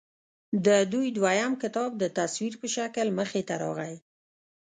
د دوي دويم کتاب د تصوير پۀ شکل کښې مخې ته راغے